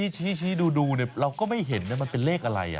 ชี้ดูเราก็ไม่เห็นนะมันเป็นเลขอะไร